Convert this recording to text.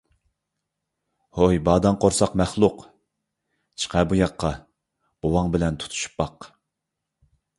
ھوي باداڭ قورساق مەخلۇق، چىقە بۇ ياققا ! بوۋاڭ بىلەن تۇتۇشۇپ باق!